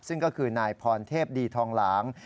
ซึ่งก็คือนายพรเทพดีทองหลาง